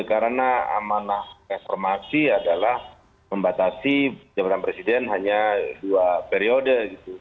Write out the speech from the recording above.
karena amanah informasi adalah membatasi jabatan presiden hanya dua periode